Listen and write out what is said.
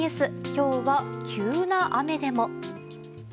今日は、急な雨でも。